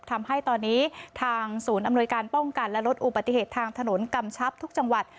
ทำให้ตอนนี้ทางศูนย์อำนวยการป้องกันและลดอุบัติเหตุทางถนนกำชับทุกจังหวัด